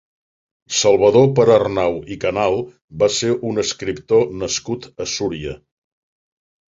Salvador Perarnau i Canal va ser un escriptor nascut a Súria.